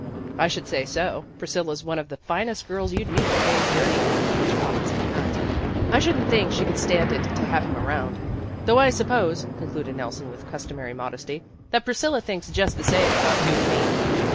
"I should say so. Priscilla 's one of the finest girls you'd meet in a day's journey, and Hitchcock is a nut. I shouldn 't think she could stand it to have him around. Though I sup pose," concluded Nelson with customary modesty, "that Priscilla thinks just the same about you and me.